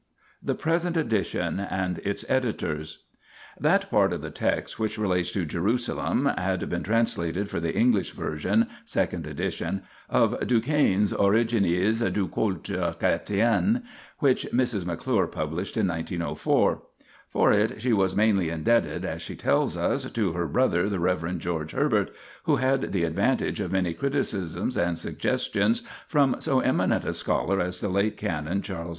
THE PRESENT EDITION AND ITS EDITORS That part of the text, which relates to Jerusalem, had been translated for the English version (2nd edition) of Duchesne's Origines du culte Chretien, which Mrs. McClure published in 1904. For it she was " mainly indebted," as she tells us, to her " brother the Rev. George Herbert, who had the advantage of many criticisms and suggestions from so eminent a scholar as the late Canon Chas.